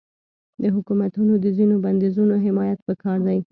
د حکومتونو د ځینو بندیزونو حمایت پکار دی.